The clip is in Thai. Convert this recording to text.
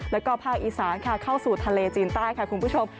แล้วก็ภาคอีสานค่ะเข้าสู่ทะเลจีนใต้ค่ะคุณผู้ชม